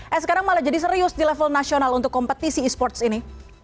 kamu pernah kebayang nggak sih rafli bisa sampai ikut pon di level nasional untuk kompetisi esports ini